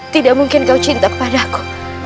tidak mungkin kau cinta kepada aku